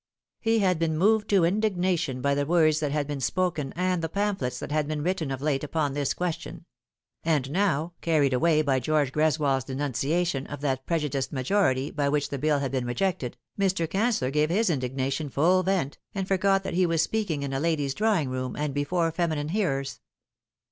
He had been moved to indignation by the words that had been spoken and the pamphlets that had been written of late upon this question ; and now, carried away by George Greswold's denunciation of that prejudiced majority by Tvhich the Bill had been rejected, Mr. Caneellor gave his indigna tion full vent, and forgot that he was speaking in a lady's drawiug room, and before feminine hearers.